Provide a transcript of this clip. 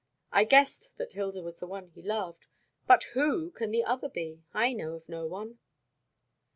I guessed that Hilda was the one he loved. But who can the other be? I know of no one."